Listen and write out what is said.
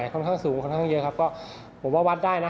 ค่อนข้างสูงค่อนข้างเยอะครับก็ผมว่าวัดได้นะ